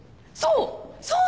そう！